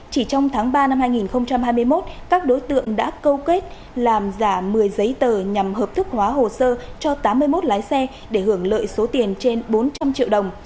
chỉ trong tháng ba năm hai nghìn hai mươi một các đối tượng đã câu kết làm giả một mươi giấy tờ nhằm hợp thức hóa hồ sơ cho tám mươi một lái xe để hưởng lợi số tiền trên bốn trăm linh triệu đồng